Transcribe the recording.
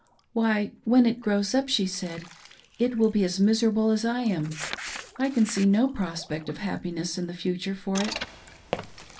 "Why wheo it grows up, she said, it will be as miserable as I am— I THAT BROKEN VOW. 4OI can see no prospect of happiness in the future for it."